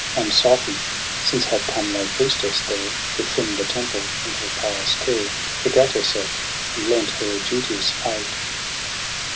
And Psyche, since had come no priestess there To trim the temple, in her pious care Forgat herself, and lent her duteous aid.